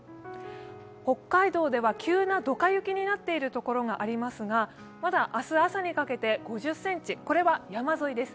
北海道では急なドカ雪になっているところがありますが、まだ明日朝にかけて５０ｃｍ、これは山沿いです。